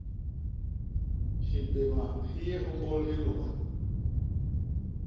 Hibéma hi yé hômbôl hilôba.